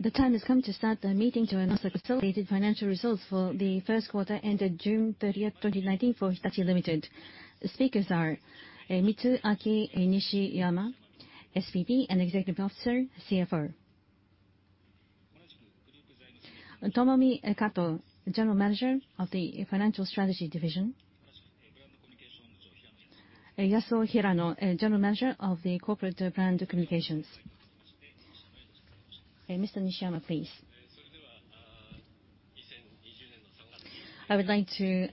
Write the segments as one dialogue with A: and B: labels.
A: The time has come to start the meeting to announce the consolidated financial results for the first quarter ended June 30th, 2019, for Hitachi Limited. The speakers are Mitsuaki Nishiyama, SVP and Executive Officer, CFO. Tomomi Kato, General Manager of the Financial Strategy Division. Yasuo Hirano, General Manager of the Corporate Brand Communications. Mr. Nishiyama, please.
B: I would like to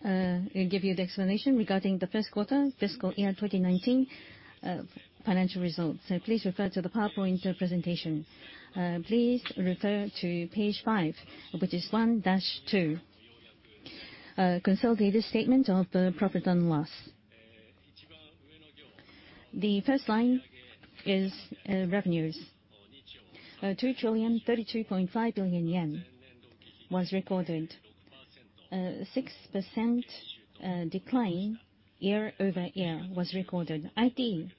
B: give you the explanation regarding the first quarter fiscal year 2019 financial results. Please refer to the PowerPoint presentation. Please refer to page five, which is 1-2. Consolidated statement of the profit and loss. The first line is revenues. JPY 2.0325 trillion was recorded. 6% decline year-over-year was recorded. IT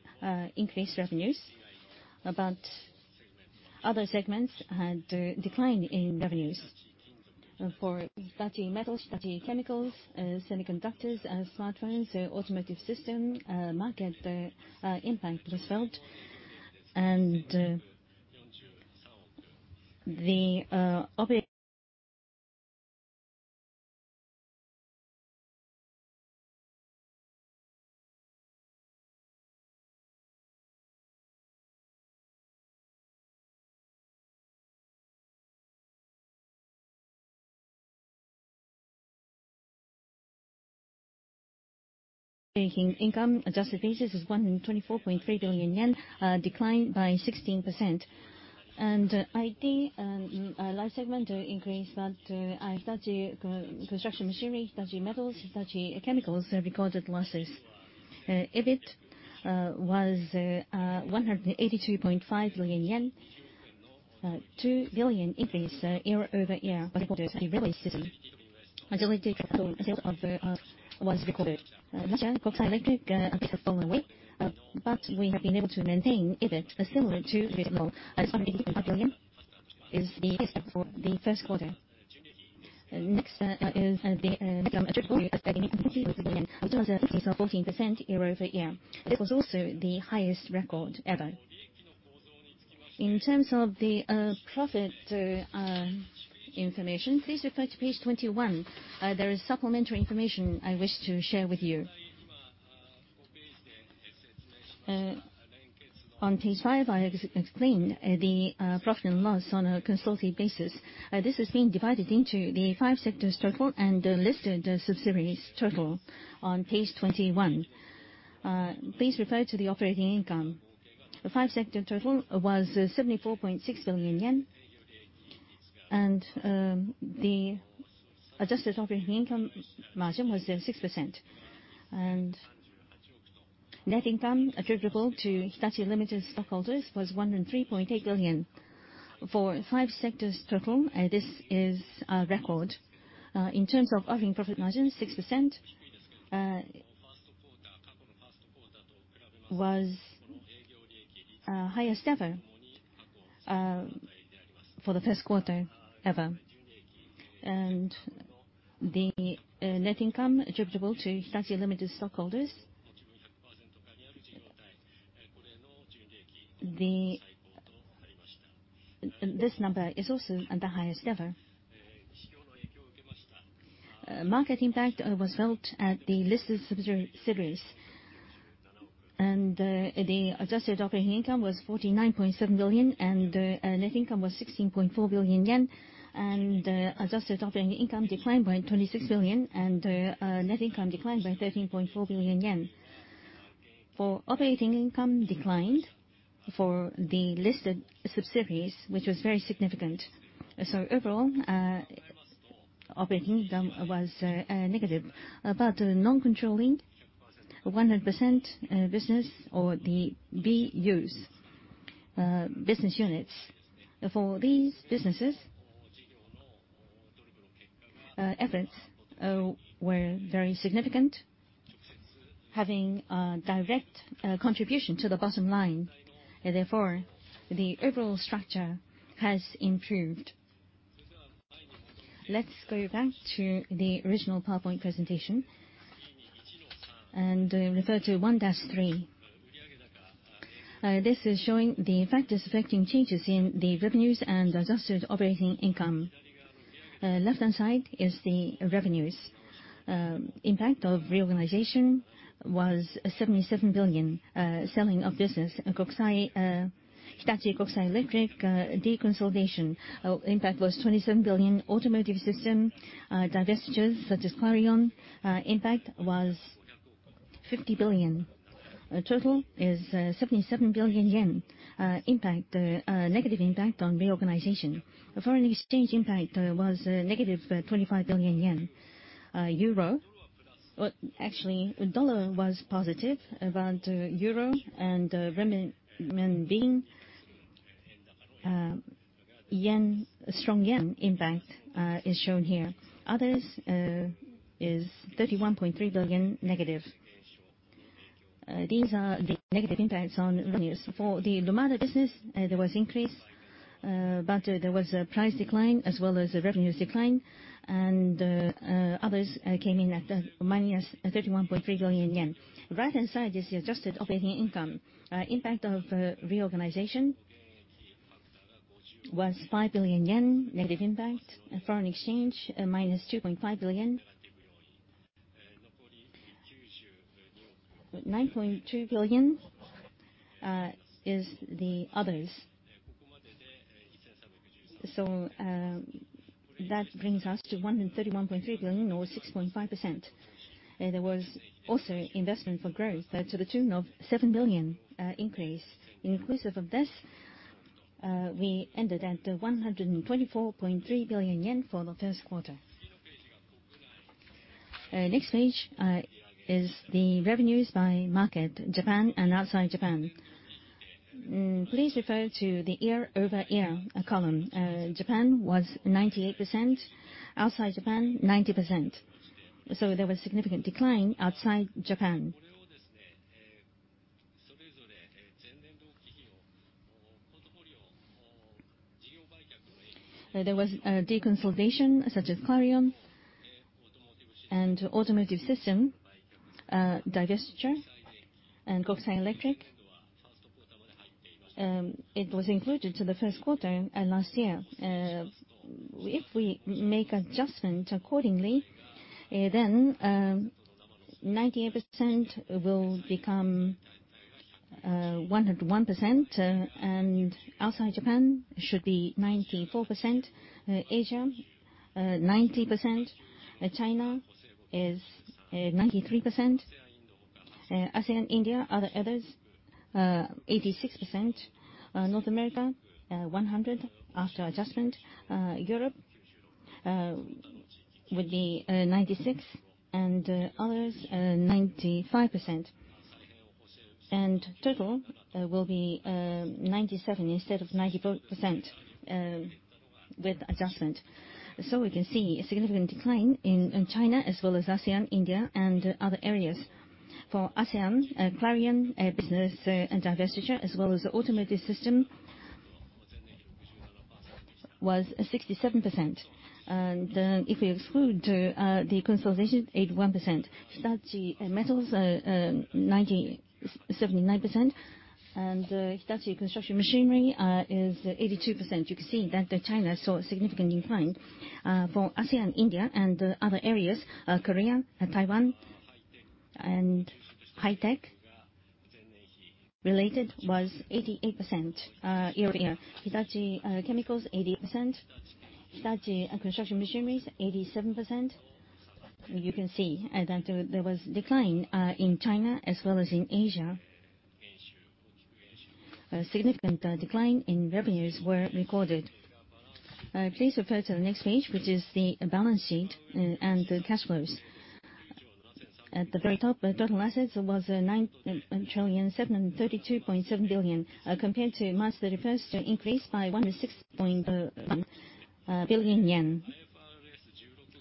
B: increased revenues, but other segments had a decline in revenues. For Hitachi Metals, Hitachi Chemical, semiconductors, smartphones, Automotive Systems, market impact was felt. The operating income, adjusted basis, is 124.3 billion yen, a decline by 16%. IT and life segment increased, but Hitachi Construction Machinery, Hitachi Metals, Hitachi Chemical recorded losses. EBIT was 182.5 billion yen. A JPY 2 billion increase year-over-year was recorded. Majority capital sales was recorded. Hitachi Kokusai Electric has fallen away, but we have been able to maintain EBIT similar to this level. 5 billion is the best for the first quarter. Next is the income attributable to us 14% year-over-year. This was also the highest record ever. In terms of the profit information, please refer to page 21. There is supplementary information I wish to share with you. On page five, I explained the profit and loss on a consolidated basis. This has been divided into the five sectors total and the listed subsidiaries total on page 21. Please refer to the operating income. The five sector total was 74.6 billion yen, and the adjusted operating income margin was 6%. Net income attributable to Hitachi Limited stockholders was 103.8 billion. For five sectors total, this is a record. In terms of operating profit margin, 6% was highest ever for the first quarter ever. The net income attributable to Hitachi Limited stockholders, this number is also the highest ever. Market impact was felt at the listed subsidiaries, the adjusted operating income was 49.7 billion, and net income was 16.4 billion yen. Adjusted operating income declined by 26 billion, and net income declined by 13.4 billion yen. Operating income declined for the listed subsidiaries, which was very significant. Overall, operating income was negative. Non-controlling 100% business or the BUs, business units. For these businesses, efforts were very significant, having a direct contribution to the bottom line. Therefore, the overall structure has improved. Let's go back to the original PowerPoint presentation and refer to 1-3. This is showing the factors affecting changes in the revenues and adjusted operating income. Left-hand side is the revenues. Impact of reorganization was 77 billion. Selling of business, Hitachi Kokusai Electric deconsolidation impact was 27 billion. Automotive system divestitures, such as Clarion impact, was 50 billion. Total is 77 billion yen negative impact on reorganization. Foreign exchange impact was negative 25 billion yen. Actually, dollar was positive, but Euro and renminbi, strong yen impact is shown here. Others is 31.3 billion negative. These are the negative impacts on revenues. For the Lumada business, there was increase, but there was a price decline as well as a revenues decline, others came in at -31.3 billion yen. Right-hand side is the adjusted operating income. Impact of reorganization was 5 billion yen negative impact, foreign exchange,-JPY 2.5 billion. 9.2 billion is the others. That brings us to 131.3 billion, or 6.5%. There was also investment for growth to the tune of 7 billion increase. Inclusive of this, we ended at 124.3 billion yen for the first quarter. Next page is the revenues by market, Japan and outside Japan. Please refer to the year-over-year column. Japan was 98%, outside Japan, 90%. There was significant decline outside Japan. There was a deconsolidation, such as Clarion and automotive system divestiture, and Kokusai Electric. It was included to the first quarter last year. If we make adjustment accordingly, then 98% will become 101%, and outside Japan, it should be 94%, Asia, 90%, China is 93%, ASEAN, India, other others, 86%, North America, 100% after adjustment, Europe would be 96%, and others, 95%. Total will be 97% instead of 94% with adjustment. We can see a significant decline in China as well as ASEAN, India, and other areas. For ASEAN, Clarion business divestiture as well as automotive system was 67%. If we exclude the consolidation, 81%. Hitachi Metals, 79%, and Hitachi Construction Machinery is 82%. You can see that China saw a significant decline. For ASEAN, India, and other areas, Korea, Taiwan, and high tech related was 88% year-over-year. Hitachi Chemical, 80%, Hitachi Construction Machinery is 87%. You can see that there was decline in China as well as in Asia. A significant decline in revenues were recorded. Please refer to the next page, which is the balance sheet and the cash flows. At the very top, total assets was JPY 9.732.7 trillion, compared to March 31st increase by 106.1 billion yen.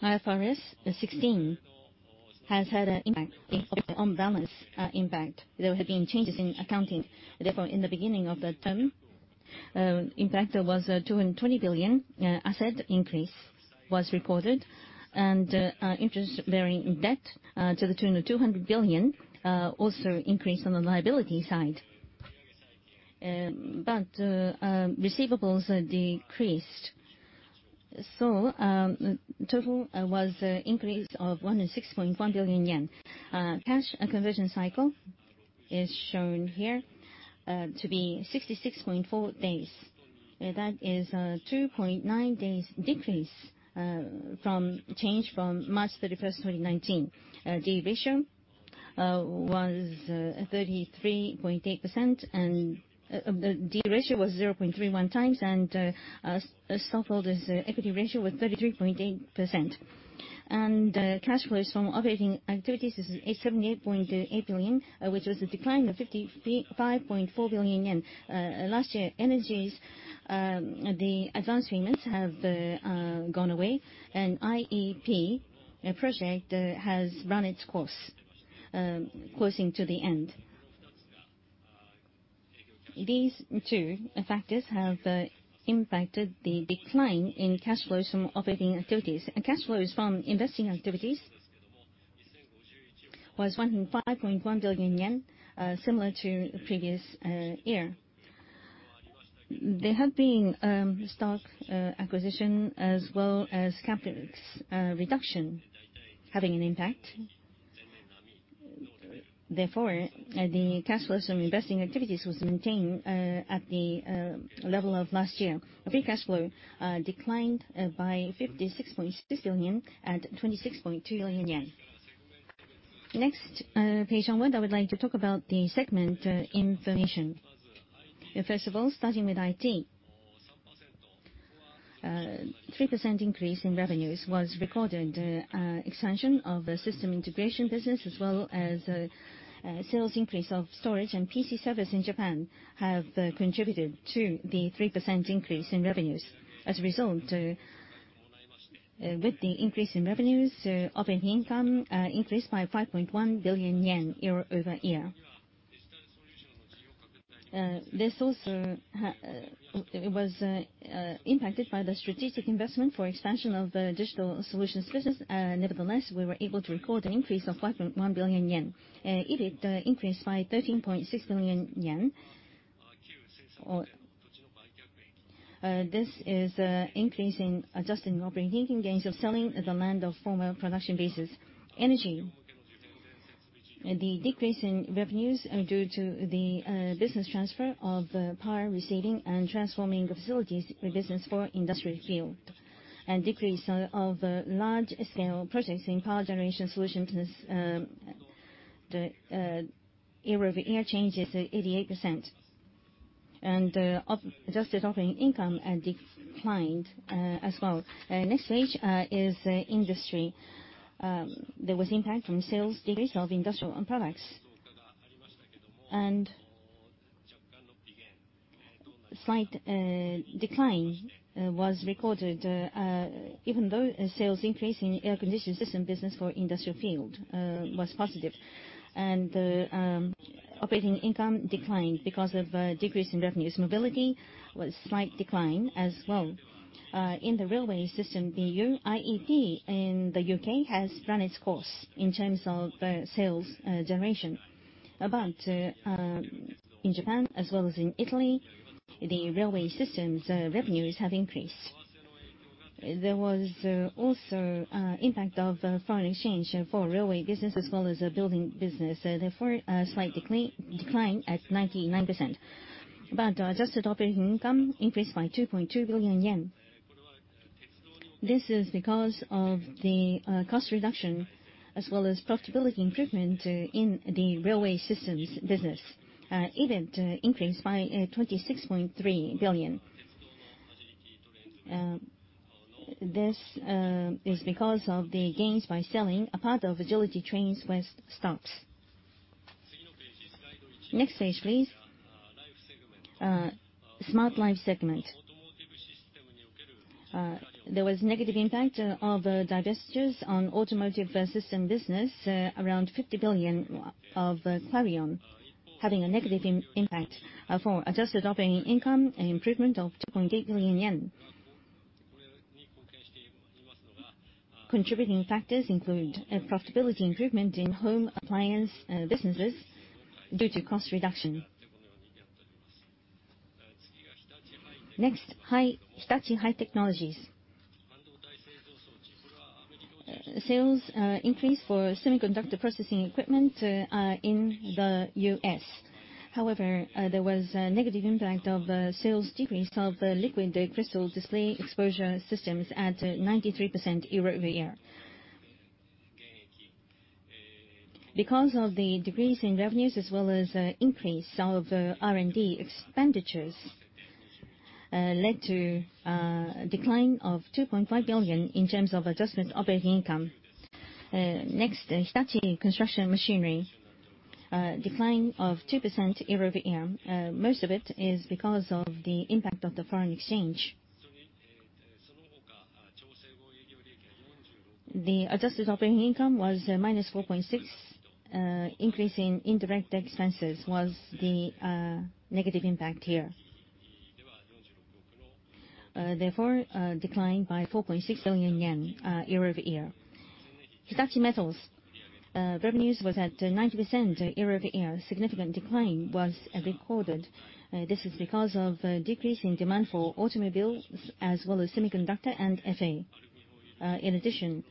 B: IFRS 16 has had an impact on balance impact. There have been changes in accounting. In the beginning of the term, impact was 220 billion asset increase was recorded, interest-bearing debt to the tune of 200 billion also increased on the liability side. Receivables decreased. Total was an increase of 106.1 billion yen. Cash conversion cycle is shown here to be 66.4 days. That is a two point nine days decrease from change from March 31st, 2019. Debt ratio was 0.31 times, and stockholders' equity ratio was 33.8%. Cash flows from operating activities is 878.8 billion, which was a decline of 55.4 billion yen. Last year, energies, the advanced payments have gone away, and IEP project has run its course, closing to the end. These two factors have impacted the decline in cash flows from operating activities. Cash flows from investing activities was 105.1 billion yen, similar to previous year. There have been stock acquisition as well as capital reduction having an impact. The cash flows from investing activities was maintained at the level of last year. Free cash flow declined by 56.6 billion, at 26.2 billion yen. Next page onward, I would like to talk about the segment information. First of all, starting with IT. 3% increase in revenues was recorded. Expansion of the system integration business as well as sales increase of storage and PC service in Japan have contributed to the 3% increase in revenues. With the increase in revenues, operating income increased by JPY 5.1 billion year-over-year. This also was impacted by the strategic investment for expansion of the digital solutions business. Nevertheless, we were able to record an increase of 5.1 billion yen. EBIT increased by 13.6 billion yen. This is an increase in adjusted operating income gains of selling the land of former production bases. Energy. The decrease in revenues are due to the business transfer of the power receiving and transforming facilities business for industrial field, and decrease of large-scale projects in power generation solutions. The year-over-year change is 88%. Adjusted operating income declined as well. Next page is industry. There was impact from sales decrease of industrial products. A slight decline was recorded, even though sales increase in air condition system business for industrial field was positive, and operating income declined because of a decrease in revenues. Mobility was slight decline as well. In the railway system, the IET in the U.K. has run its course in terms of sales generation. In Japan as well as in Italy, the railway systems revenues have increased. There was also impact of foreign exchange for railway business as well as building business, therefore, a slight decline at 99%. Adjusted operating income increased by 2.2 billion yen. This is because of the cost reduction as well as profitability improvement in the railway systems business. EBIT increased by 26.3 billion. This is because of the gains by selling a part of Agility Trains West stocks. Page, please. Smart Life segment. There was negative impact of the divestitures on Automotive Systems business, around 50 billion of Clarion, having a negative impact for adjusted operating income improvement of JPY 2.8 billion. Contributing factors include profitability improvement in home appliance businesses due to cost reduction. Hitachi High-Technologies. Sales increased for semiconductor processing equipment in the U.S. However, there was a negative impact of sales decrease of liquid crystal display exposure systems at 93% year-over-year. Because of the decrease in revenues as well as increase of R&D expenditures, led to a decline of 2.5 billion in terms of adjusted operating income. Next, Hitachi Construction Machinery. Decline of 2% year-over-year. Most of it is because of the impact of the foreign exchange. The adjusted operating income was -4.6 billion. Increase in indirect expenses was the negative impact here. Therefore, a decline by 4.6 billion yen year-over-year. Hitachi Metals. Revenues was at 90% year-over-year. Significant decline was recorded. This is because of decreasing demand for automobiles as well as semiconductor and FA. In addition,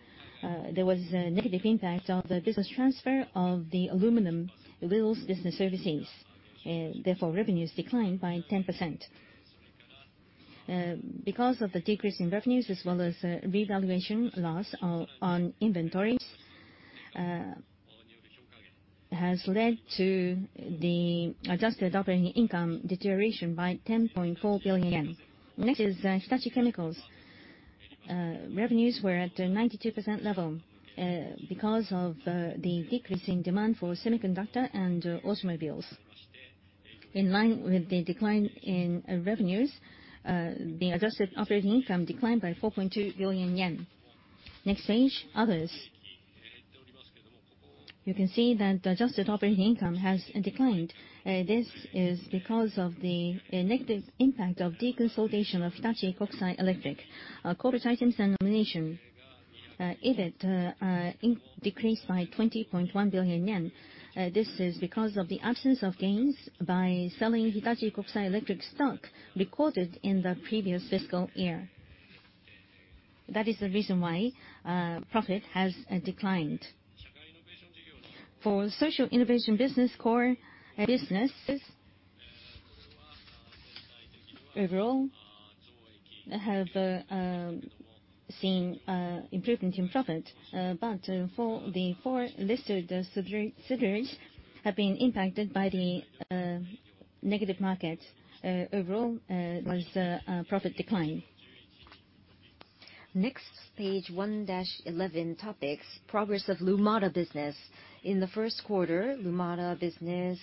B: there was a negative impact of the business transfer of the aluminum wheels business services. Therefore, revenues declined by 10%. Because of the decrease in revenues as well as revaluation loss on inventories, has led to the adjusted operating income deterioration by 10.4 billion yen. Next is Hitachi Chemical. Revenues were at 92% level because of the decrease in demand for semiconductor and automobiles. In line with the decline in revenues, the adjusted operating income declined by 4.2 billion yen. Next page, others. You can see that the adjusted operating income has declined. This is because of the negative impact of deconsolidation of Hitachi Kokusai Electric, corporate items and elimination. EBIT decreased by 20.1 billion yen. This is because of the absence of gains by selling Hitachi Kokusai Electric stock recorded in the previous fiscal year. That is the reason why profit has declined. For Social Innovation Business core businesses, overall, have seen improvement in profit. The four listed subsidiaries have been impacted by the negative market. Overall was a profit decline. Next, page 1-11 topics, progress of Lumada business. In the first quarter, Lumada business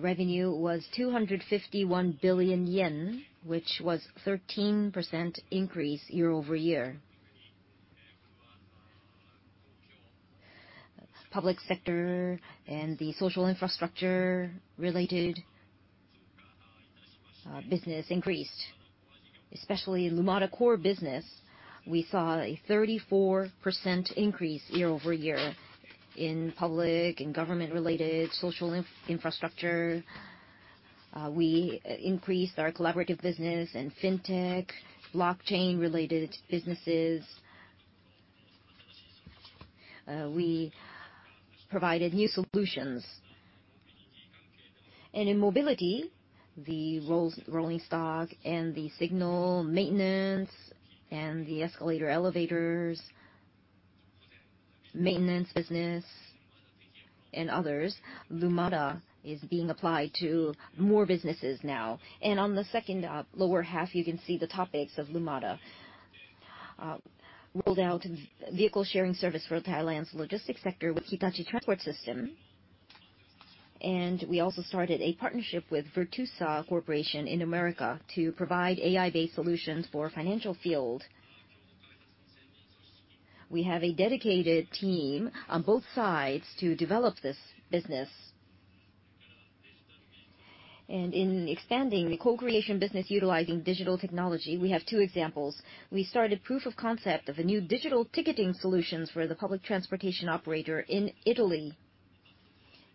B: revenue was 251 billion yen, which was 13% increase year-over-year. Public sector and the social infrastructure-related business increased. Especially Lumada core business, we saw a 34% increase year-over-year in public and government-related social infrastructure. We increased our collaborative business and fintech, blockchain-related businesses. We provided new solutions. In mobility, the rolling stock and the signal maintenance and the escalator, elevators maintenance business, and others, Lumada is being applied to more businesses now. On the second lower half, you can see the topics of Lumada. Rolled out vehicle-sharing service for Thailand's logistics sector with Hitachi Transport System. We also started a partnership with Virtusa Corporation in America to provide AI-based solutions for financial field. We have a dedicated team on both sides to develop this business. In expanding the co-creation business utilizing digital technology, we have two examples. We started proof of concept of a new digital ticketing solutions for the public transportation operator in Italy,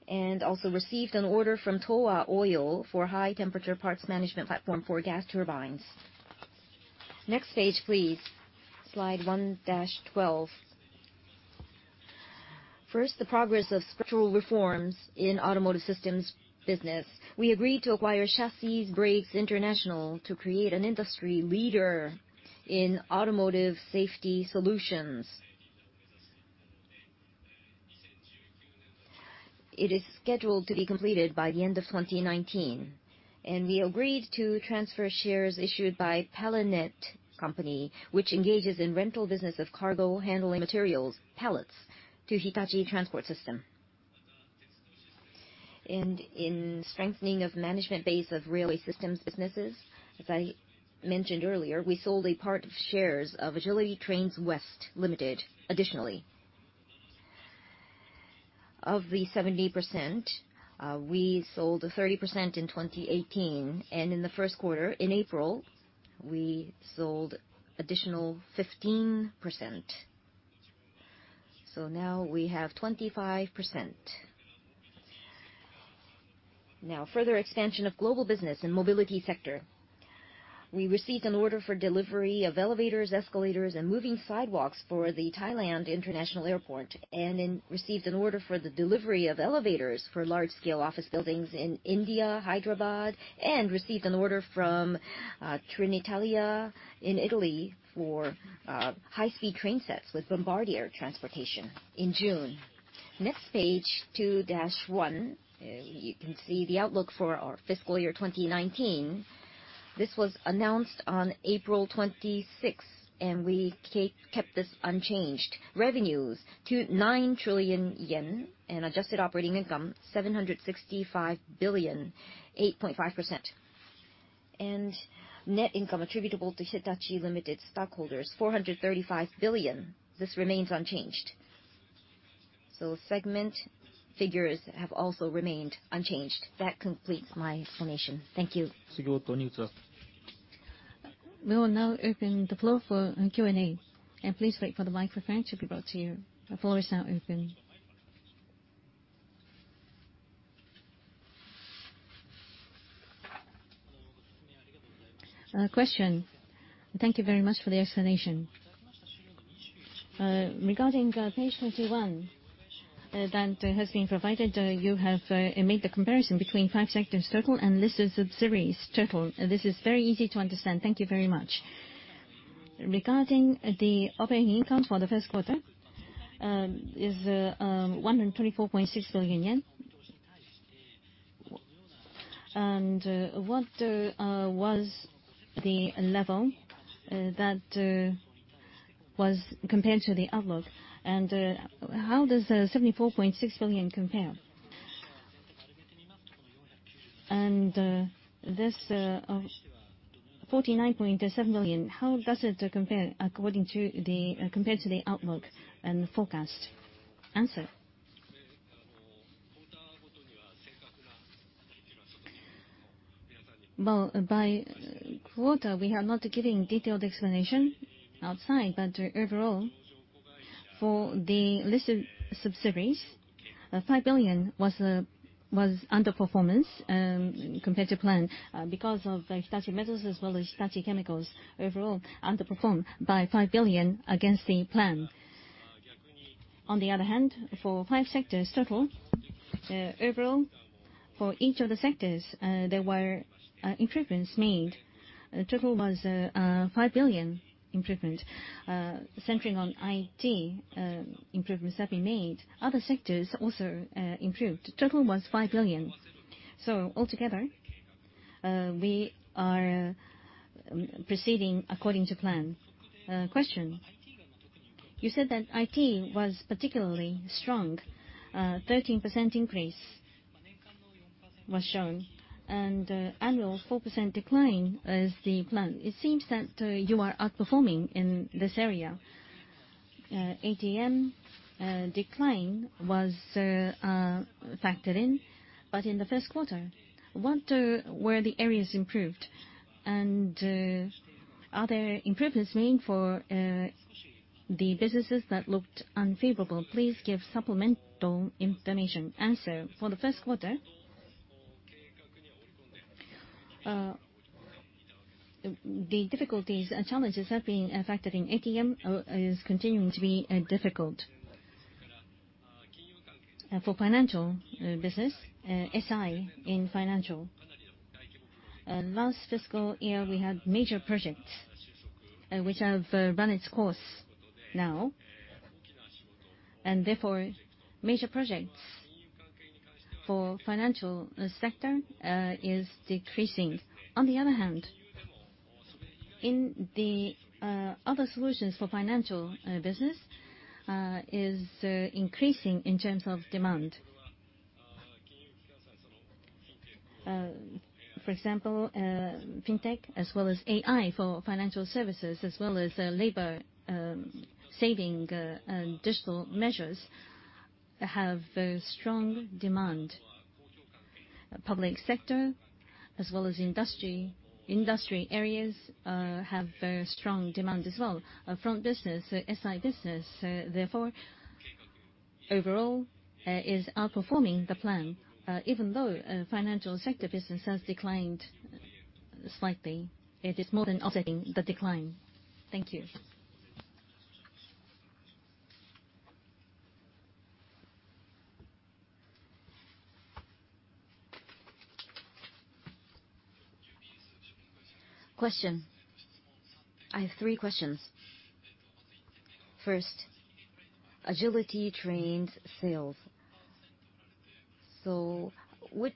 B: and also received an order from Toa Oil for high-temperature parts management platform for gas turbines. Next page, please, slide one-12. First, the progress of structural reforms in automotive systems business. We agreed to acquire Chassis Brakes International to create an industry leader in automotive safety solutions. It is scheduled to be completed by the end of 2019. We agreed to transfer shares issued by Palnet company, which engages in rental business of cargo handling materials, pallets, to Hitachi Transport System. In strengthening of management base of railway systems businesses, as I mentioned earlier, we sold a part of shares of Agility Trains West Limited additionally. Of the 70%, we sold 30% in 2018, and in the first quarter, in April, we sold additional 15%. Now we have 25%. Further expansion of global business in mobility sector. We received an order for delivery of elevators, escalators, and moving sidewalks for the Suvarnabhumi International Airport, received an order for the delivery of elevators for large-scale office buildings in India, Hyderabad, received an order from Trenitalia in Italy for high-speed train sets with Bombardier Transportation in June. Next page, 2-1. You can see the outlook for our FY 2019. This was announced on April 26, we kept this unchanged. Revenues, 9 trillion yen, adjusted operating income, 765 billion, 8.5%. Net income attributable to Hitachi Limited stockholders, 435 billion. This remains unchanged. Segment figures have also remained unchanged. That completes my explanation. Thank you.
A: We will now open the floor for Q&A. Please wait for the microphone to be brought to you. The floor is now open.
C: Question. Thank you very much for the explanation. Regarding page 21 that has been provided, you have made the comparison between five sectors total and listed subsidiaries total. This is very easy to understand. Thank you very much. Regarding the operating income for the first quarter, is the 124.6 billion yen. What was the level that was compared to the outlook? How does 74.6 billion compare? This 49.7 billion, how does it compare according to the outlook and forecast?
B: Answer. By quarter, we are not giving detailed explanation outside, but overall, for the listed subsidiaries, 5 billion was underperformance compared to plan because of Hitachi Metals as well as Hitachi Chemical overall underperformed by 5 billion against the plan. For five sectors total, overall for each of the sectors, there were improvements made. Total was 5 billion improvement. Centering on IT, improvements have been made. Other sectors also improved. Total was 5 billion. Altogether, we are proceeding according to plan.
C: Question. You said that IT was particularly strong, 13% increase was shown, and annual 4% decline is the plan. It seems that you are outperforming in this area. ATM decline was factored in, but in the first quarter, what were the areas improved? Are there improvements made for the businesses that looked unfavorable? Please give supplemental information.
B: Answer, for the first quarter, the difficulties and challenges have been a factor in ATM is continuing to be difficult. For financial business, SI in financial. Last fiscal year, we had major projects which have run its course now. Therefore, major projects for financial sector is decreasing. On the other hand, in the other solutions for financial business, is increasing in terms of demand. For example, fintech as well as AI for financial services, as well as labor saving and digital measures have strong demand. Public sector as well as industry areas have strong demand as well from business, SI business. Therefore, overall is outperforming the plan. Even though financial sector business has declined slightly, it is more than offsetting the decline.
C: Thank you. Question. I have three questions. First, Agility Trains sales. What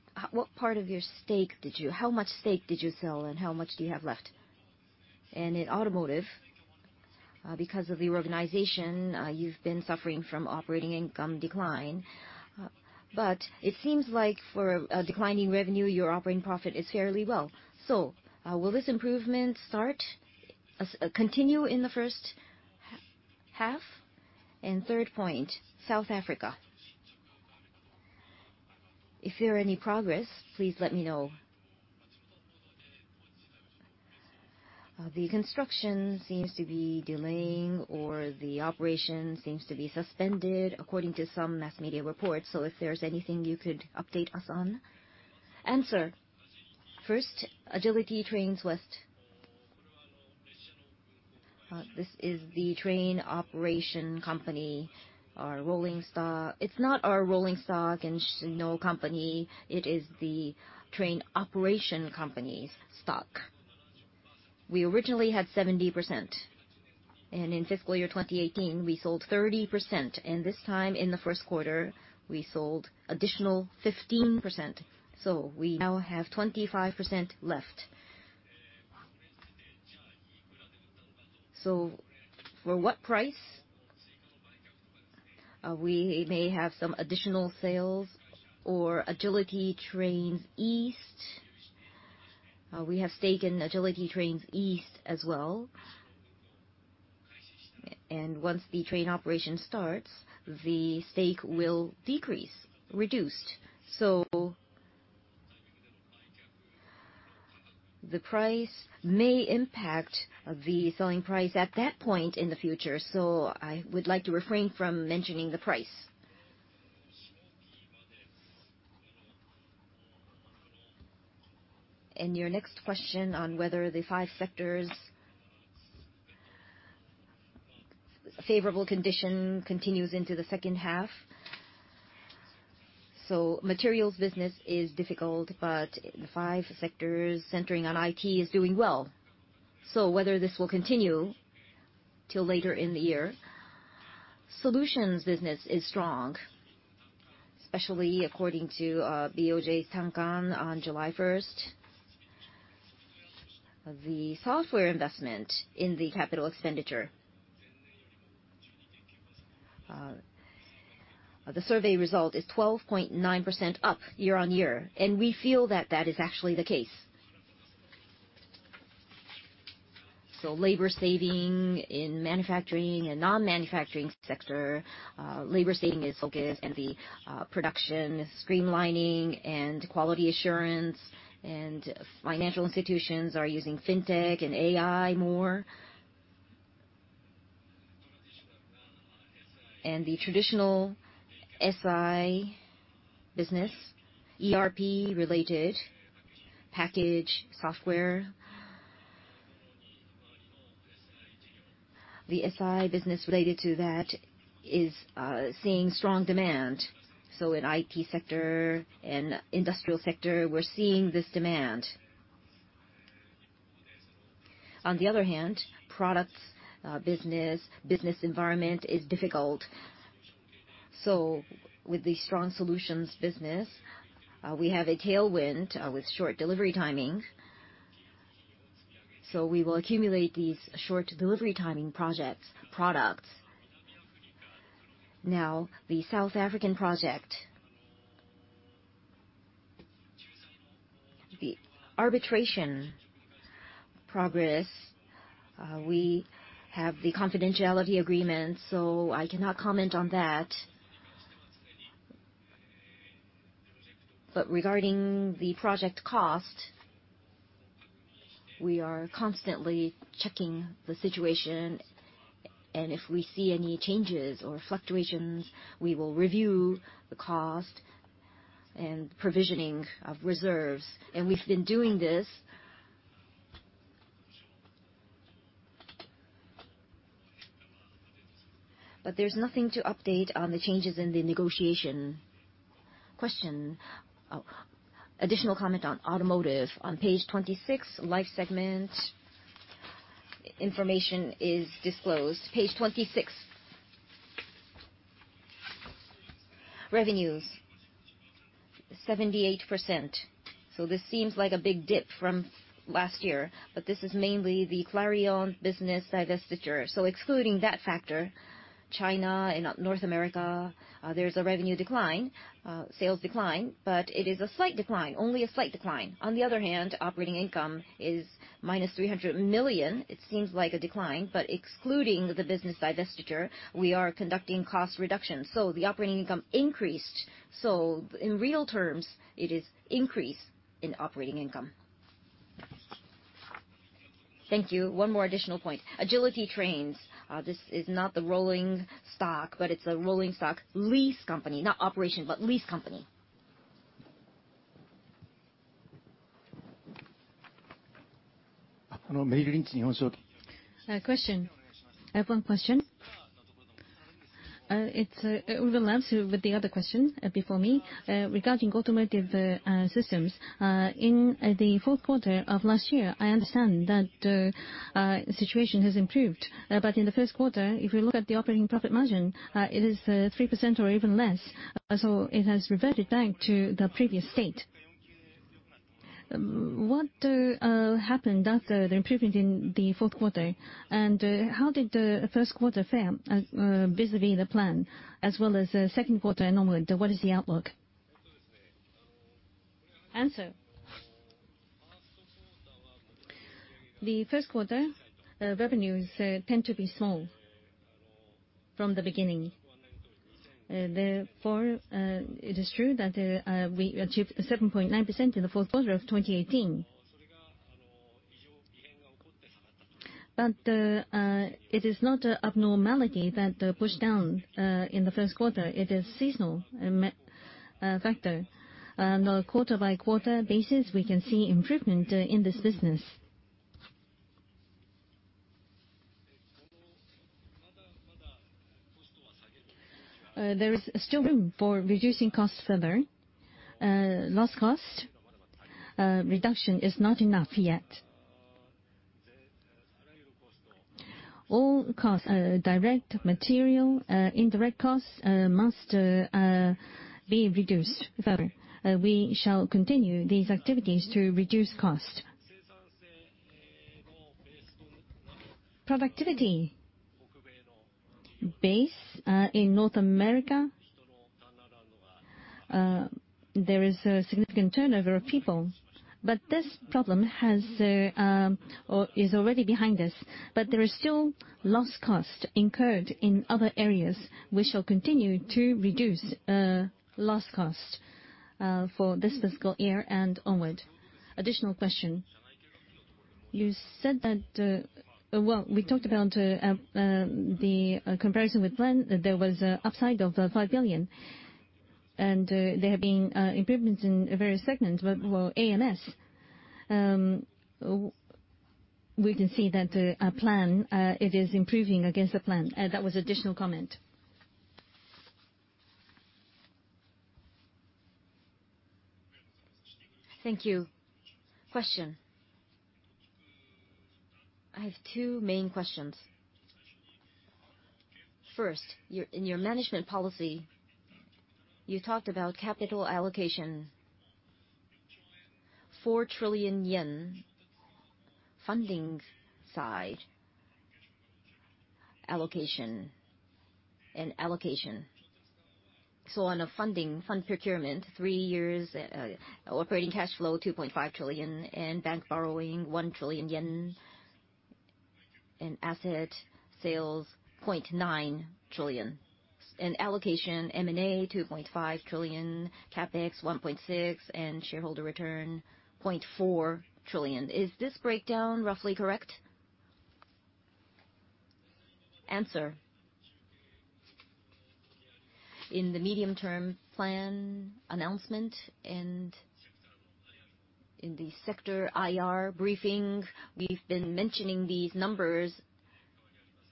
C: part of your stake, how much stake did you sell and how much do you have left? In automotive, because of the reorganization, you've been suffering from operating income decline. It seems like for a decline in revenue, your operating profit is fairly well. Will this improvement start, continue in the first half? Third point, South Africa. If there are any progress, please let me know. The construction seems to be delaying, or the operation seems to be suspended according to some mass media reports. If there's anything you could update us on?
B: Answer. First, Agility Trains West. This is the train operation company. It's not our rolling stock and Shinano Railway, it is the train operation company's stock. We originally had 70%. In FY 2018, we sold 30%. This time in the first quarter, we sold additional 15%. We now have 25% left. For what price? We may have some additional sales or Agility Trains East. We have stake in Agility Trains East as well. Once the train operation starts, the stake will decrease, reduced. The price may impact the selling price at that point in the future, so I would like to refrain from mentioning the price. Your next question on whether the five sectors' favorable condition continues into the second half. Materials business is difficult, but the five sectors centering on IT is doing well. Whether this will continue till later in the year. Solutions business is strong, especially according to BOJ's Tankan on July 1st. The software investment in the capital expenditure, the survey result is 12.9% up year-on-year, and we feel that that is actually the case. Labor saving in manufacturing and non-manufacturing sector, labor saving is focused and the production streamlining and quality assurance and financial institutions are using fintech and AI more. The traditional SI business, ERP-related package software. The SI business related to that is seeing strong demand. In IT sector and industrial sector, we're seeing this demand. On the other hand, products business environment is difficult. With the strong solutions business, we have a tailwind with short delivery timing. We will accumulate these short delivery timing projects products. Now, the South African project. The arbitration progress, we have the confidentiality agreement, so I cannot comment on that. Regarding the project cost, we are constantly checking the situation, if we see any changes or fluctuations, we will review the cost and provisioning of reserves. We've been doing this. There's nothing to update on the changes in the negotiation.
C: Question. Additional comment on automotive. On page 26, life segment information is disclosed.
B: Page 26. Revenues, 78%. This seems like a big dip from last year, this is mainly the Clarion business divestiture. Excluding that factor, China and North America, there's a revenue decline, sales decline, it is only a slight decline. On the other hand, operating income is -300 million. It seems like a decline, excluding the business divestiture, we are conducting cost reduction. The operating income increased. In real terms, it is increase in operating income. Thank you. One more additional point. Agility Trains. This is not the rolling stock, but it's a rolling stock lease company. Not operation, but lease company.
C: Question. I have one question. It overlaps with the other question before me. Regarding automotive systems, in the fourth quarter of last year, I understand that the situation has improved. In the first quarter, if we look at the operating profit margin, it is 3% or even less. It has reverted back to the previous state. What happened after the improvement in the fourth quarter? How did the first quarter fare vis-à-vis the plan, as well as the second quarter and onward? What is the outlook?
B: Answer. The first quarter revenues tend to be small from the beginning. It is true that we achieved 7.9% in the fourth quarter of 2018. It is not an abnormality that pushed down in the first quarter. It is seasonal factor. On a quarter-by-quarter basis, we can see improvement in this business. There is still room for reducing costs further. Loss cost reduction is not enough yet. All costs, direct material, indirect costs, must be reduced further. We shall continue these activities to reduce cost. Productivity base in North America, there is a significant turnover of people. This problem is already behind us, but there is still loss cost incurred in other areas. We shall continue to reduce loss cost for this fiscal year and onward.
C: Additional question. You said, well, we talked about the comparison with plan, that there was an upside of 5 billion. There have been improvements in various segments.
B: For AMS, we can see that plan, it is improving against the plan. That was additional comment.
C: Thank you. Question: I have two main questions. First, in your management policy, you talked about capital allocation, JPY 4 trillion funding side allocation and allocation. On a funding, fund procurement, three years operating cash flow 2.5 trillion and bank borrowing 1 trillion yen and asset sales 0.9 trillion. Allocation: M&A 2.5 trillion, CapEx 1.6 trillion, and shareholder return 0.4 trillion. Is this breakdown roughly correct?
B: Answer: In the medium-term plan announcement and in the sector IR briefing, we've been mentioning these numbers,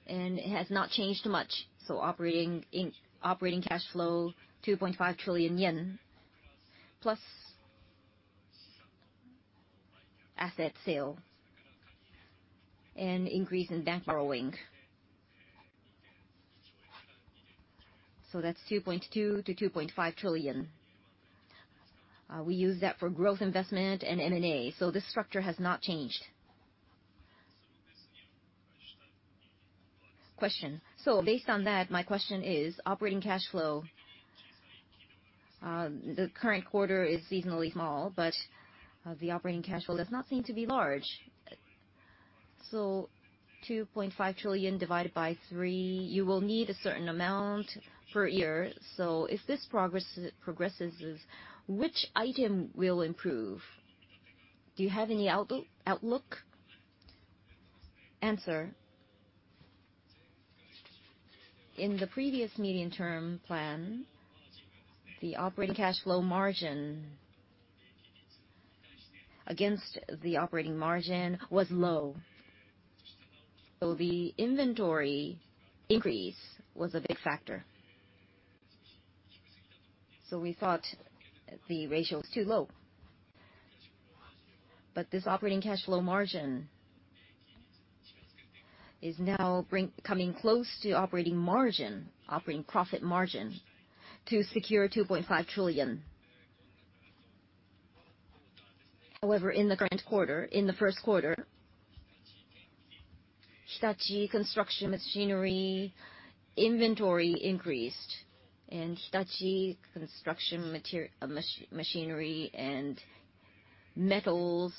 B: and it has not changed much. Operating cash flow 2.5 trillion yen+ asset sale and increase in bank borrowing. That's 2.2 trillion-2.5 trillion. We use that for growth investment and M&A. This structure has not changed.
C: Based on that, my question is operating cash flow. The current quarter is seasonally small, but the operating cash flow does not seem to be large. 2.5 trillion divided by three, you will need a certain amount per year. If this progresses, which item will improve? Do you have any outlook?
B: Answer. In the previous medium-term plan, the operating cash flow margin against the operating margin was low. The inventory increase was a big factor. We thought the ratio was too low. This operating cash flow margin is now coming close to operating margin, operating profit margin, to secure JPY 2.5 trillion. However, in the current quarter, in the first quarter, Hitachi Construction Machinery inventory increased, and Hitachi Construction Machinery and Hitachi Metals,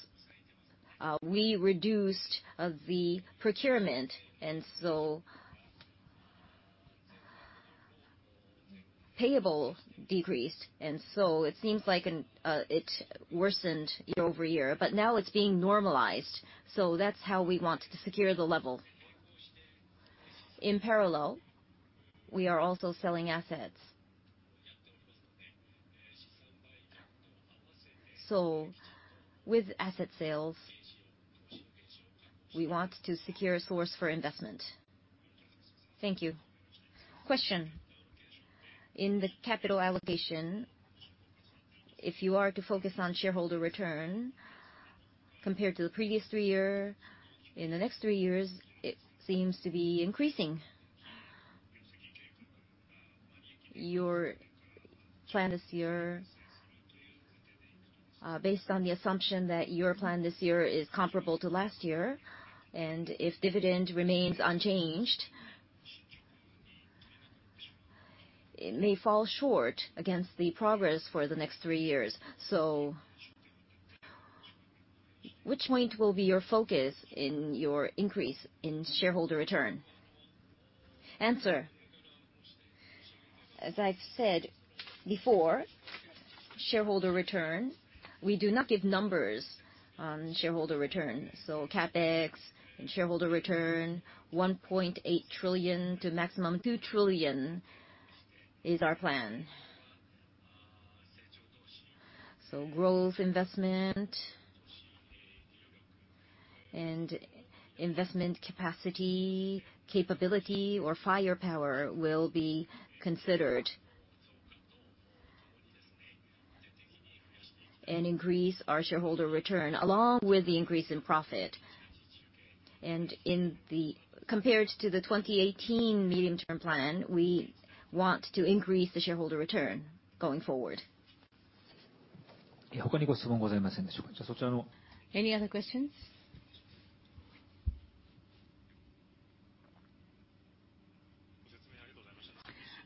B: we reduced the procurement and so payable decreased, and so it seems like it worsened year-over-year, but now it's being normalized. That's how we want to secure the level. In parallel, we are also selling assets. With asset sales, we want to secure a source for investment.
C: Thank you. Question. In the capital allocation, if you are to focus on shareholder return compared to the previous three year, in the next three years, it seems to be increasing. Based on the assumption that your plan this year is comparable to last year, and if dividend remains unchanged, it may fall short against the progress for the next three years. Which point will be your focus in your increase in shareholder return?
B: Answer. As I've said before, shareholder return, we do not give numbers on shareholder return. CapEx and shareholder return, 1.8 trillion-2 trillion is our plan. Growth investment and investment capacity, capability, or firepower will be considered and increase our shareholder return along with the increase in profit. Compared to the 2018 medium-term plan, we want to increase the shareholder return going forward.
A: Any other questions?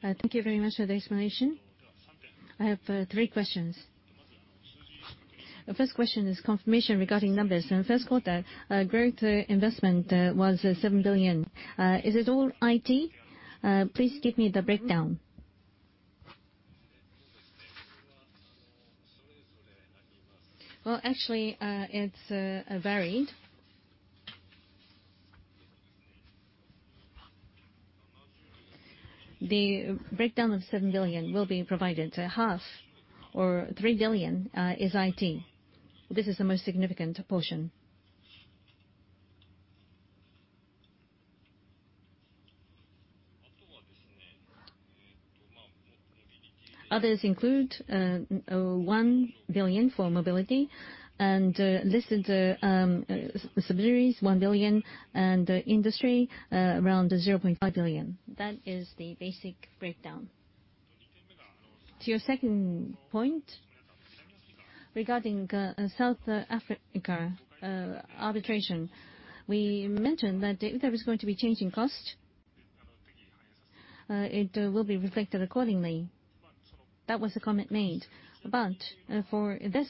C: Thank you very much for the explanation. I have three questions. The first question is confirmation regarding numbers. In first quarter, growth investment was 7 billion. Is it all IT? Please give me the breakdown.
B: Well, actually, it is varied. The breakdown of 7 billion will be provided to half, or 3 billion is IT. This is the most significant portion. Others include 1 billion for mobility, and this is subsidiaries, 1 billion, and industry, around 0.5 billion. That is the basic breakdown. To your second point, regarding South Africa arbitration, we mentioned that if there is going to be change in cost, it will be reflected accordingly. That was the comment made. For this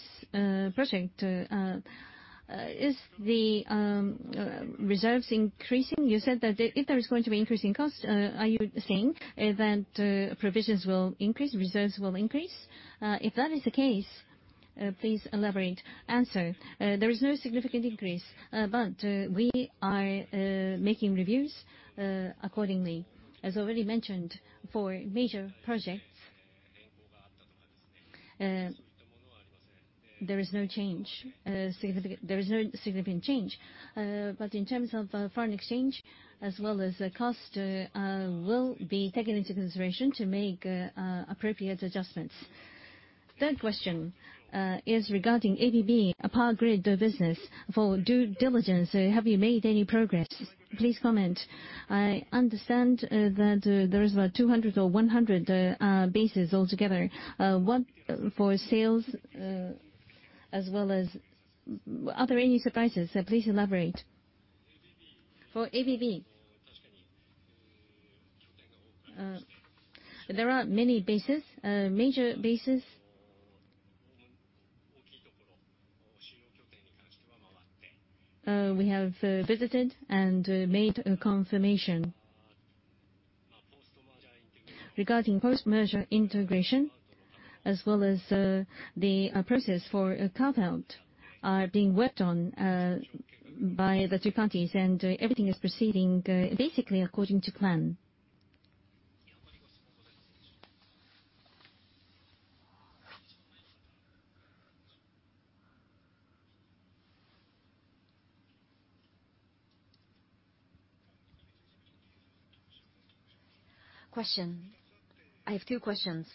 B: project, is the reserves increasing? You said that if there is going to be increase in cost, are you saying that provisions will increase, reserves will increase? If that is the case, please elaborate. There is no significant increase, we are making reviews accordingly. As already mentioned, for major projects there is no significant change. In terms of foreign exchange as well as cost will be taken into consideration to make appropriate adjustments.
C: Third question is regarding ABB, a power grid business. For due diligence, have you made any progress? Please comment. I understand that there is about 200 or 100 bases altogether. One for sales. As well as, are there any surprises? Please elaborate.
B: For ABB, there are many bases. Major bases we have visited and made a confirmation. Regarding post-merger integration, as well as the process for a carve-out are being worked on by the two parties, and everything is proceeding basically according to plan.
C: Question. I have two questions,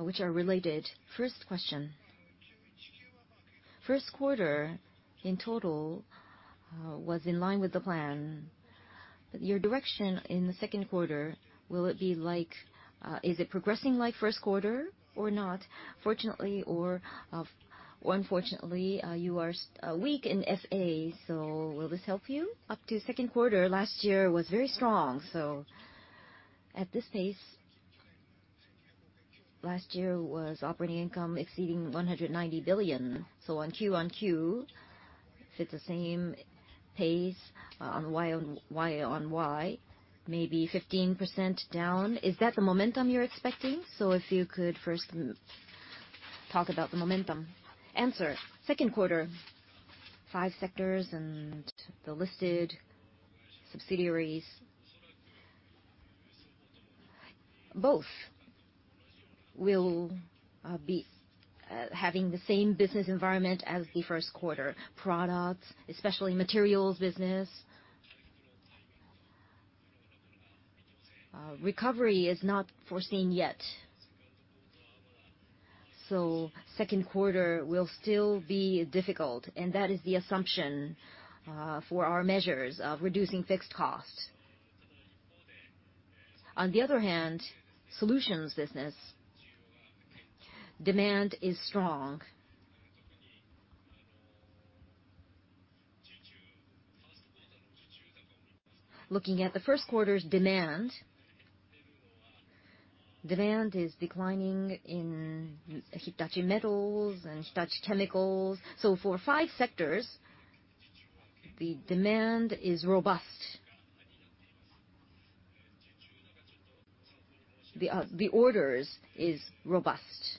C: which are related. First question. First quarter in total was in line with the plan, but your direction in the Second quarter, is it progressing like First quarter or not? Fortunately or unfortunately, you are weak in SA, so will this help you? Up to Second quarter last year was very strong. At this pace, last year was operating income exceeding 190 billion. On Q on Q, if it's the same pace on Y on Y, maybe 15% down. Is that the momentum you're expecting? If you could first talk about the momentum.
B: Answer. Second quarter, five sectors and the listed subsidiaries, both will be having the same business environment as the first quarter. Products, especially materials business, recovery is not foreseen yet. The second quarter will still be difficult, and that is the assumption for our measures of reducing fixed costs. On the other hand, solutions business, demand is strong. Looking at the first quarter's demand is declining in Hitachi Metals and Hitachi Chemical. For five sectors, the demand is robust. The orders is robust.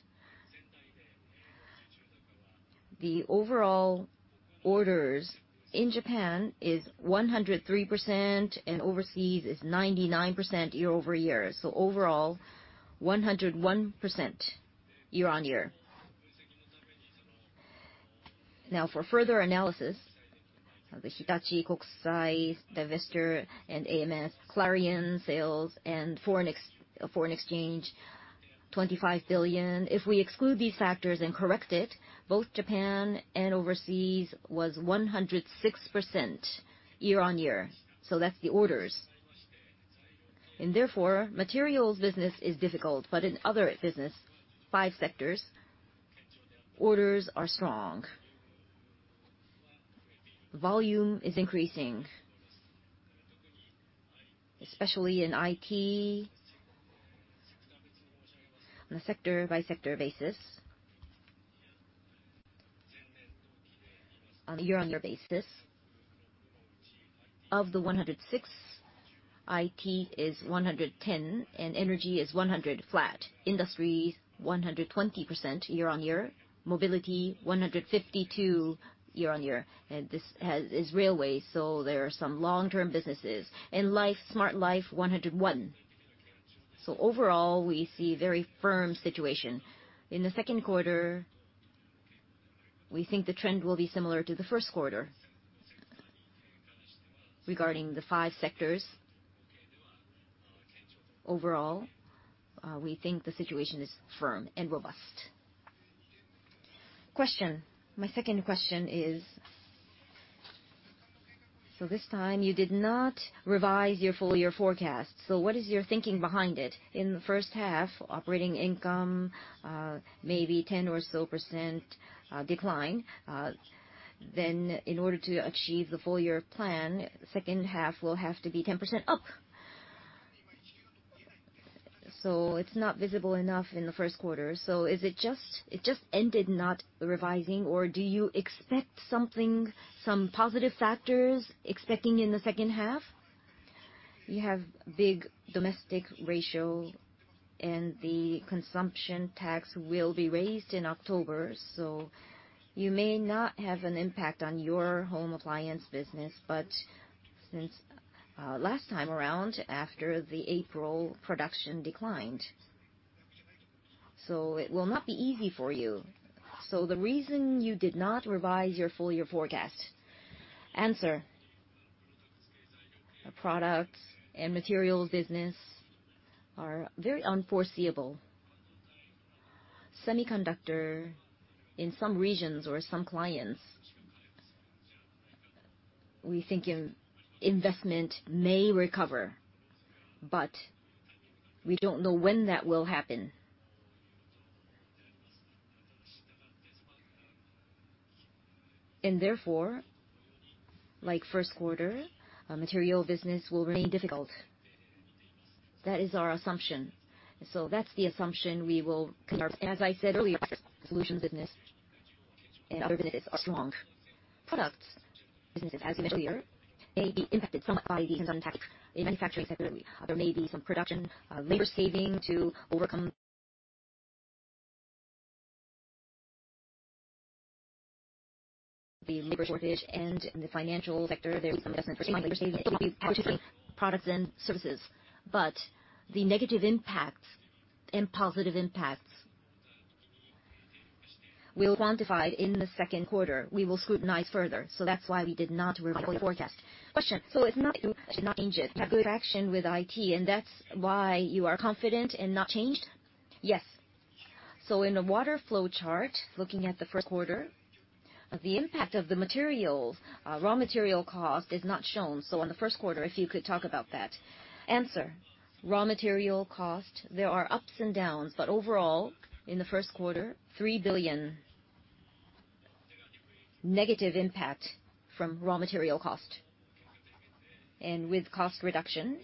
B: The overall orders in Japan is 103%, and overseas is 99% year-over-year. Overall, 101% year-on-year. Now for further analysis, the Hitachi Kokusai, the divestiture and AMS, Clarion sales, and foreign exchange, 25 billion. If we exclude these factors and correct it, both Japan and overseas was 106% year-on-year. That's the orders. Therefore, materials business is difficult. In other business, five sectors, orders are strong. Volume is increasing, especially in IT. On a sector-by-sector basis, on a year-on-year basis, of the 106, IT is 110, and energy is 100 flat. Industry is 120% year-on-year. Mobility, 152 year-on-year. This is railway, so there are some long-term businesses. In life, smart life, 101. Overall, we see very firm situation. In the second quarter, we think the trend will be similar to the first quarter. Regarding the five sectors, overall, we think the situation is firm and robust.
C: Question. My second question is, this time you did not revise your full-year forecast. What is your thinking behind it? In the first half, operating income may be 10% or so decline. In order to achieve the full-year plan, the second half will have to be 10% up. It's not visible enough in the first quarter. It just ended not revising, or do you expect some positive factors expecting in the second half? You have big domestic ratio, and the consumption tax will be raised in October, so you may not have an impact on your home appliance business. Since last time around, after the April production declined. It will not be easy for you. The reason you did not revise your full-year forecast.
B: Answer. Products and materials business are very unforeseeable. Semiconductor in some regions or some clients. We think investment may recover, but we don't know when that will happen. Therefore, like first quarter, material business will remain difficult. That is our assumption. That's the assumption we will keep. As I said earlier, solutions business and other businesses are strong. Products businesses, as you mentioned earlier, may be impacted somewhat by the consumption tax. In manufacturing sector, there may be some production labor saving to overcome the labor shortage. In the financial sector, there will be some investment for saving labor. We have two things, products and services. The negative impacts and positive impacts will be quantified in the second quarter. We will scrutinize further. That's why we did not reveal the forecast.
C: Question. It's not that you should not change it, have good traction with IT, and that's why you are confident and not changed?
B: Yes.
C: In the water flow chart, looking at the first quarter, the impact of the materials, raw material cost, is not shown. On the first quarter, if you could talk about that?
B: Answer. Raw material cost, there are ups and downs, but overall, in the first quarter, 3 billion negative impact from raw material cost. With cost reduction,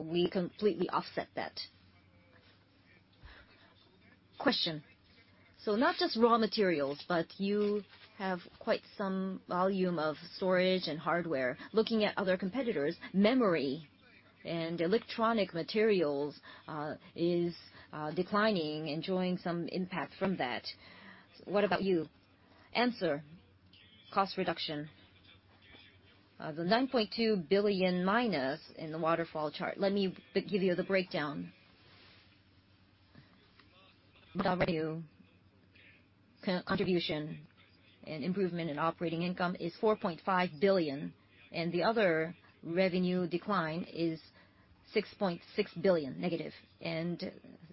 B: we completely offset that.
C: Question. Not just raw materials, but you have quite some volume of storage and hardware. Looking at other competitors, memory and electronic materials is declining, enjoying some impact from that. What about you?
B: Answer. Cost reduction. The 9.2 billion- in the waterfall chart, let me give you the breakdown. Revenue contribution and improvement in operating income is 4.5 billion. The other revenue decline is 6.6 billion negative.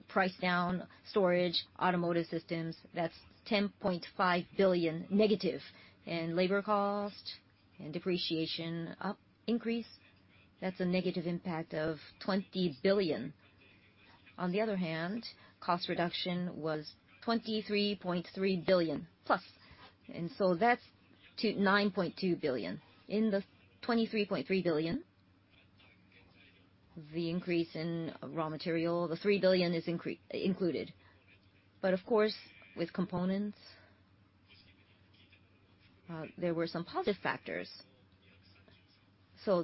B: Price down storage, Automotive Systems, that's 10.5 billion negative. Labor cost and depreciation increase, that's a negative impact of 20 billion. On the other hand, cost reduction was 23.3 billion+. That's to 9.2 billion. In the 23.3 billion, the increase in raw material, the 3 billion is included. Of course, with components, there were some positive factors.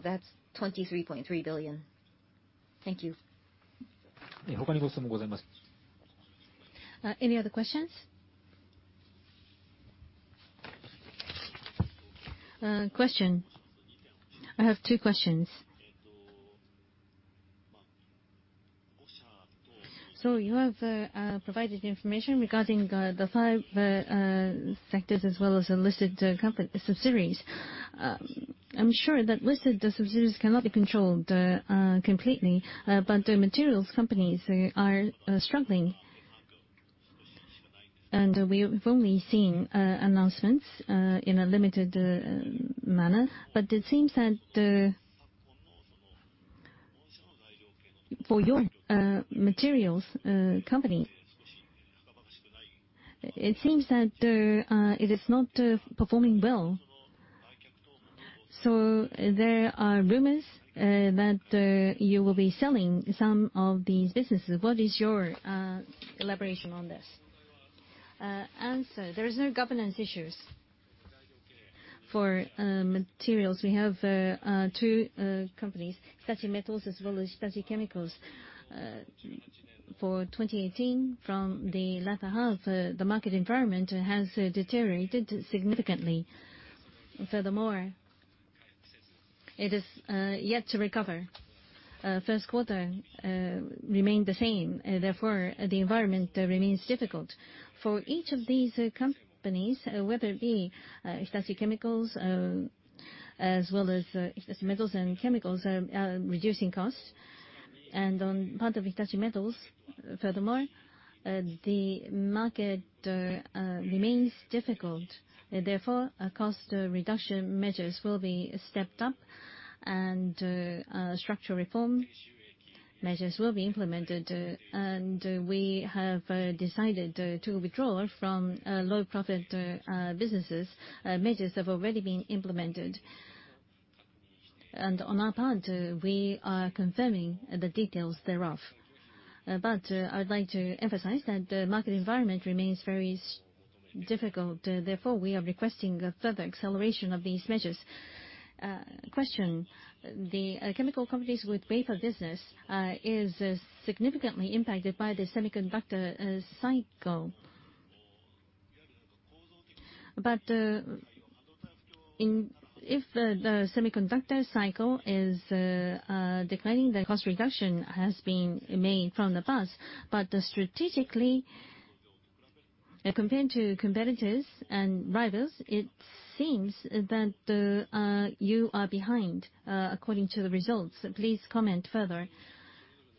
B: That's 23.3 billion.
A: Thank you. Any other questions?
C: Question. I have two questions. You have provided information regarding the five sectors as well as the listed subsidiaries. I'm sure that listed subsidiaries cannot be controlled completely, but the materials companies are struggling. We've only seen announcements in a limited manner, but it seems that for your materials company, it seems that it is not performing well. There are rumors that you will be selling some of these businesses. What is your elaboration on this?
B: Answer. There is no governance issues. For materials, we have two companies, Hitachi Metals as well as Hitachi Chemical. For 2018, from the latter half, the market environment has deteriorated significantly. It is yet to recover. First quarter remained the same, therefore, the environment remains difficult. For each of these companies, whether it be Hitachi Chemical as well as Hitachi Metals and Chemical are reducing costs. On part of Hitachi Metals, furthermore, the market remains difficult. Cost reduction measures will be stepped up, and structural reform measures will be implemented. We have decided to withdraw from low-profit businesses. Measures have already been implemented. On our part, we are confirming the details thereof. I'd like to emphasize that the market environment remains very difficult, therefore, we are requesting further acceleration of these measures.
C: Question. The chemical companies with wafer business is significantly impacted by the semiconductor cycle. If the semiconductor cycle is declining, the cost reduction has been made from the past. Strategically, compared to competitors and rivals, it seems that you are behind according to the results. Please comment further.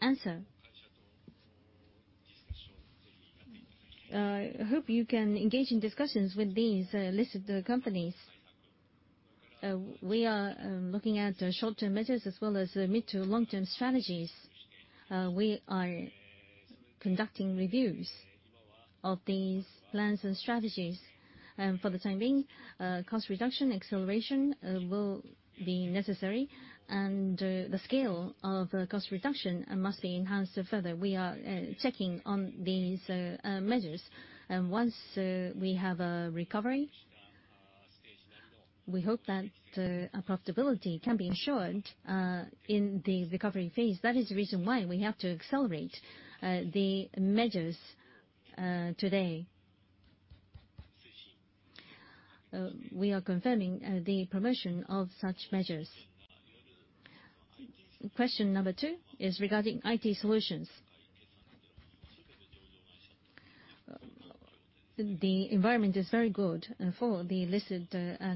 B: Answer. I hope you can engage in discussions with these listed companies. We are looking at short-term measures as well as mid to long-term strategies. We are conducting reviews of these plans and strategies. For the time being, cost reduction acceleration will be necessary, and the scale of cost reduction must be enhanced further. We are checking on these measures. Once we have a recovery, we hope that our profitability can be ensured in the recovery phase. That is the reason why we have to accelerate the measures today. We are confirming the promotion of such measures.
C: Question number two is regarding IT solutions. The environment is very good for the listed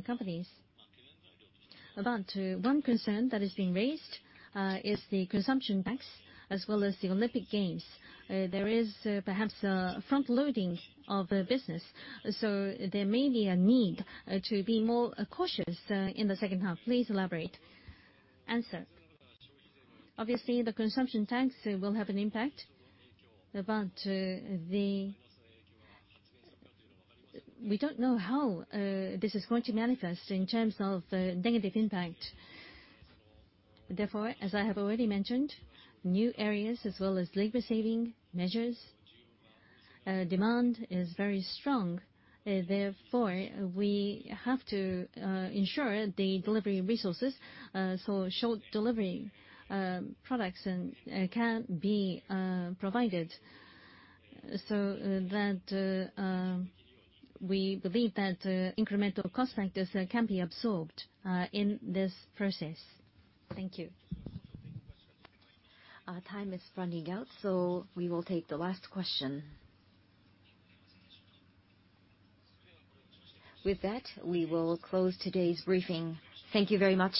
C: companies. About one concern that is being raised is the consumption tax as well as the Olympic Games. There is perhaps a front-loading of the business, so there may be a need to be more cautious in the second half. Please elaborate.
B: Answer. Obviously, the consumption tax will have an impact, but we don't know how this is going to manifest in terms of negative impact. Therefore, as I have already mentioned, new areas as well as labor-saving measures, demand is very strong. Therefore, we have to ensure the delivery of resources, so short delivery products can be provided. We believe that incremental cost factors can be absorbed in this process.
C: Thank you.
A: Our time is running out, so we will take the last question. With that, we will close today's briefing. Thank you very much.